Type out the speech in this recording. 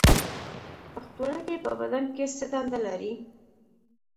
پښتورګي په بدن کې څه دنده لري